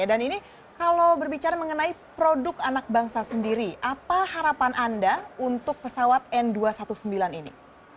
dan ini kalau berbicara mengenai produk anak bangsa sendiri apa harapan anda untuk pesawat n dua ratus sembilan belas ini